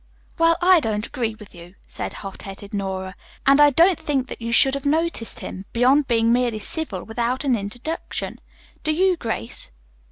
"Well, I don't agree with you," said hot headed Nora. "And I don't think you should have noticed him, beyond being merely civil, without an introduction. Do you, Grace?"